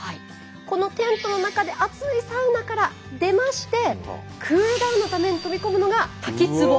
このテントの中で熱いサウナから出ましてクールダウンのために飛び込むのが滝つぼ。